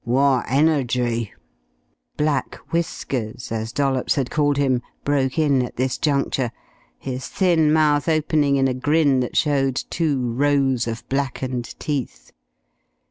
"Wot energy!" Black Whiskers as Dollops had called him broke in at this juncture, his thin mouth opening in a grin that showed two rows of blackened teeth.